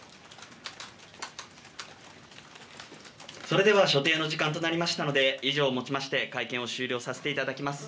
それでは所定の時間となりましたので、以上をもちまして会見を終了させていただきます。